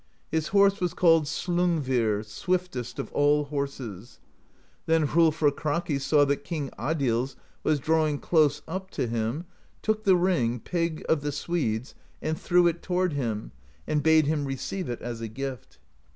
His horse was called Slongvir, swiftest of all horses. Then Hrolfr Kraki saw that King Adils was drawing close up to him, took the ring. Pig of the Swedes, and threw it toward him, and bade him receive it as a gift.